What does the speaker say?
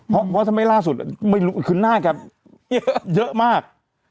เพราะทำไมล่าสุดเนี่ยไม่รู้คือน่ากาเรียบเยอะเยอะมาก